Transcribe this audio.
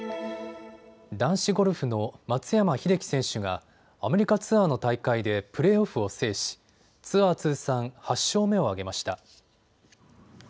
男子ゴルフの松山英樹選手がアメリカツアーの大会でプレーオフを制しツアー通算８勝目を挙げました。